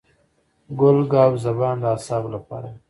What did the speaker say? ګل ګاو زبان د اعصابو لپاره دی.